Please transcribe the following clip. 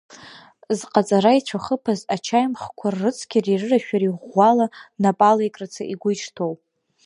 Зҟаҵара ицәахыԥаз ачаимхқәа ррыцқьареи рырашәареи ӷәӷәала напалеикрацы игәы ишҭоу…